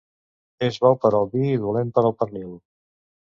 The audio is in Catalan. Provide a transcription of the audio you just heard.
És bo per al vi i dolent per al pernil.